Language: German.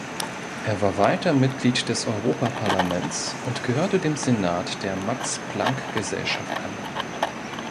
Er war weiter Mitglied des Europaparlaments und gehörte dem Senat der Max-Planck-Gesellschaft an.